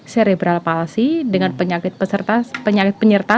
cerebral palsy dengan penyakit penyerta